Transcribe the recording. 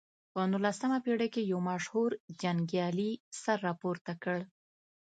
په نولسمه پېړۍ کې یو مشهور جنګیالي سر راپورته کړ.